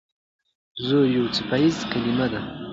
زور یو څپیزه کلمه ده.